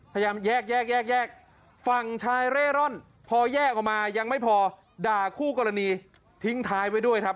พยายามแยกแยกฝั่งชายเร่ร่อนพอแยกออกมายังไม่พอด่าคู่กรณีทิ้งท้ายไว้ด้วยครับ